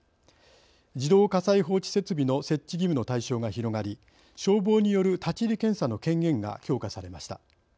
自動火災報知設備の設置義務の対象が広がり消防による立ち入り検査の権限が強化されました。